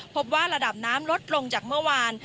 พบว่าระดับน้ำลดลงจากเมื่อวาน